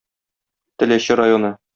Теләче районы.